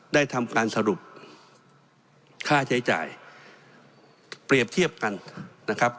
ได้ทำการสรุปค่าใช้จ่ายเปรียบเทียบกันนะครับ